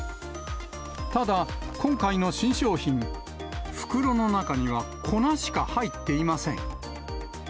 ただ、今回の新商品、袋の中には粉しか入っていません。